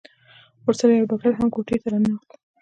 ورسره يو ډاکتر هم کوټې ته راننوت.